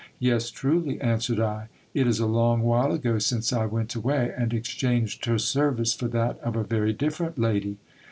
Yes, truly, answered I, it is a long while ago since I went away, and exchanged her service for that of a very different lady.